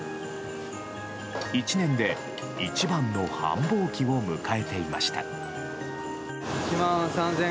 １年で一番の繁忙期を迎えていました。